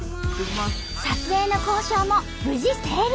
撮影の交渉も無事成立！